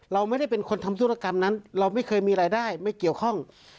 เราไม่ได้เป็นคนทำธุรกรรมนั้นเราไม่เคยมีรายได้ไม่เกี่ยวข้อง